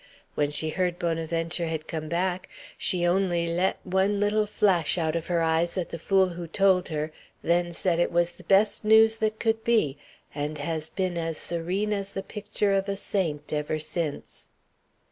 When she heard Bonaventure had come back, she only let one little flash out of her eyes at the fool who told her, then said it was the best news that could be, and has been as serene as the picture of a saint ever since."